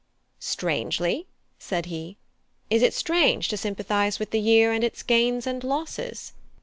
"Strangely?" said he. "Is it strange to sympathise with the year and its gains and losses?"